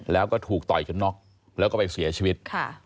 แล้วก็ถูกต่อยจนน็อกแล้วก็ไปเสียชีวิต